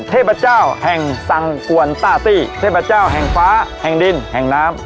เทพเจ้าแห่งสังกวนตาตี้เทพเจ้าแห่งฟ้าแห่งดินแห่งน้ำ